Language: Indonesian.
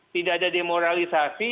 tidak ada demoralisasi